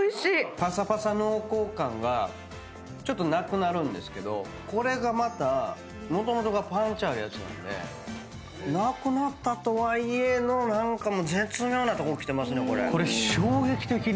パサパサ濃厚感がちょっとなくなるんですけどこれがまたもともとがパンチあるやつなのでなくなったとはいえの何かもう絶妙なとこきてますねこれ。